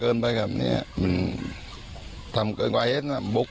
เขาบอกกลุ่นจะฆ่าอยู่กลัวด้วย